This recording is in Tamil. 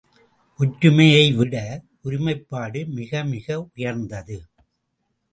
ஒற்றுமையைவிட ஒருமைப்பாடு மிக மிக உயர்ந்தது.